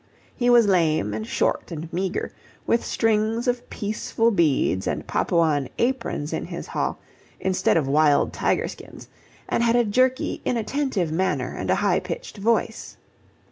He was lame and short and meagre, with strings of peaceful beads and Papuan aprons in his hall instead of wild tiger skins, and had a jerky, inattentive manner and a high pitched voice.